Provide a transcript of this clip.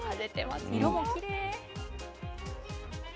色もきれい。